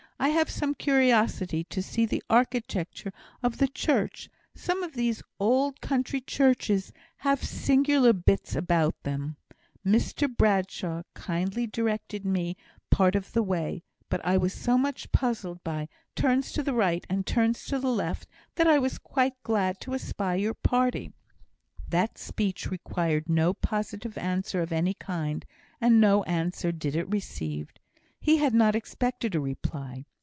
"I have some curiosity to see the architecture of the church; some of these old country churches have singular bits about them. Mr Bradshaw kindly directed me part of the way, but I was so much puzzled by 'turns to the right,' and 'turns to the left,' that I was quite glad to espy your party." That speech required no positive answer of any kind; and no answer did it receive. He had not expected a reply.